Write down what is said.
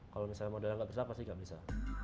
kalau misalnya modalnya nggak besar pasti nggak bisa